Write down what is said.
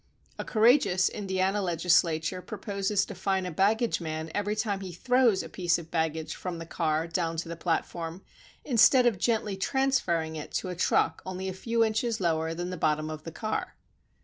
A courageous Indiana legislator proposes to fine a baggage man every time* he throws a piece of baggage from the car down to the platform instead of gently transferring it to a truck only a few inches lower than the bot tom of the car.